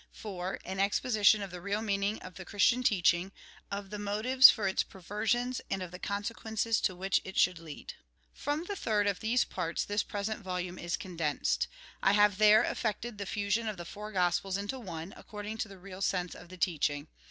4. An exposition of the real meaning of the Christian teaching, of the motives for its per 2 THE GOSPEL IN BRIEF versions, and of the consequences to which it should lead. From the third of these parts this present vol ume is condensed. I have there effected the fusion of the four Gospels into one, according to the real sense of the teaching.